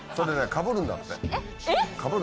かぶるんだって。